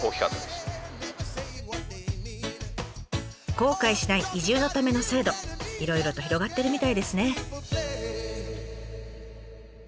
後悔しない移住のための制度いろいろと広がってるみたいですね。